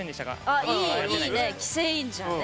あっいいいいねキセインジャーね。